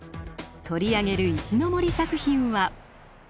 取り上げる石森作品は？